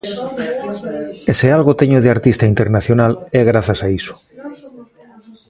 E se algo teño de artista internacional é grazas a iso.